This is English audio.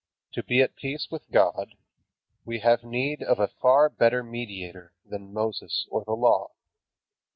To be at peace with God, we have need of a far better mediator than Moses or the Law.